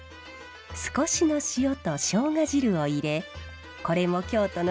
少しの塩としょうが汁を入れこれも京都の自慢七味を加えます。